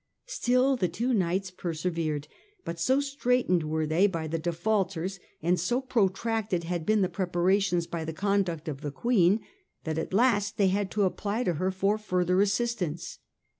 Still the two knights persevered; but so straitened were they by the defaulters, and so protracted had been the prepara tions by the conduct of the Queen, that at last they had to apply to her for further assistance.